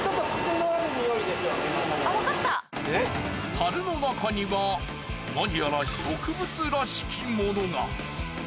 樽の中にはなにやら植物らしきものが。